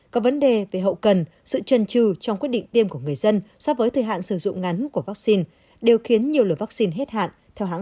có vấn đề về hậu cần sự trần trừ trong quyết định tiêm của người dân so với thời hạn sử dụng ngắn của vaccine đều khiến nhiều loại vaccine hết hạn